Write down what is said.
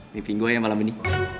mimpin gue yang malam ini